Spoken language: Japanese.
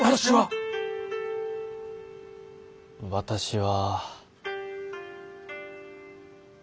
私は。